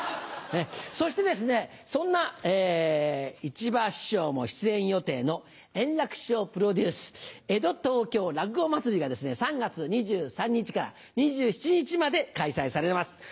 そしてそんな市馬師匠も出演予定の円楽師匠プロデュース「江戸東京落語まつり」が３月２３日から２７日まで開催されます。